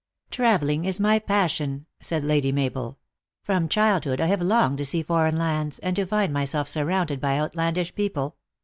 "Traveling is my passion, "said Lady Mabel. "From childhood I have longed to see foreign lands, and to find myself surrounded by outlandish people.